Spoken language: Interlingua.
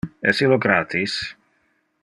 Es illo gratis.